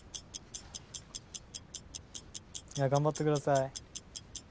頑張ってください。